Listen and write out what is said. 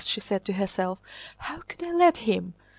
she said to herself. "How could I let him?"